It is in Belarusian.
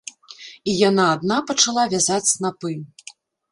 І яна адна пачала вязаць снапы.